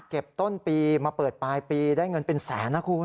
ต้นปีมาเปิดปลายปีได้เงินเป็นแสนนะคุณ